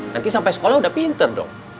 nanti sampai sekolah udah pinter dong